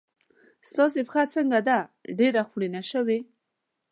ستاسې پښه څنګه ده؟ ډېره خوړینه شوې.